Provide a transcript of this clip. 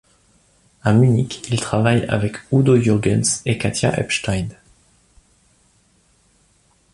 À Munich, il travaille avec Udo Jürgens et Katja Ebstein.